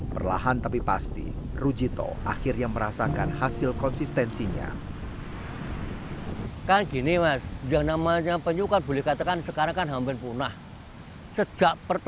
perlahan tapi pasti rujito akhirnya merasakan hasil konsistensinya